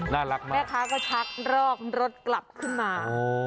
น่ารักมากแม่ค้าก็ชักรอกรถกลับขึ้นมา